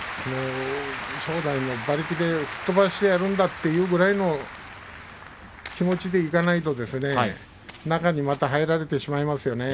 正代の馬力でぶっとばしてやるんだとそのぐらいの気持ちでいかないと中にまた入られてしまいます。